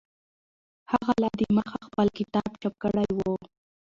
هغه لا دمخه خپل کتاب چاپ کړی و.